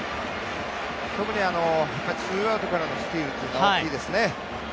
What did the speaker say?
特にツーアウトからのスチールというのは大きいですね。